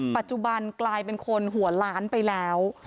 ปัจจุบันกลายเป็นคนหัวล้านไปแล้ว